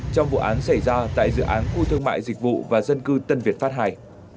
trong vụ án xảy ra tại dự án khu thương mại dịch vụ và dân cư tân việt pháp ii